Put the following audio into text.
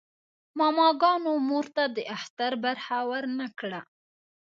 ماماګانو مور ته د اختر برخه ورنه کړه.